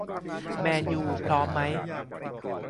แมนยู พร้อมไหม